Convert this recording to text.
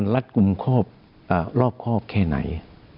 รัฐกลุ่มรอบครอบแค่ไหน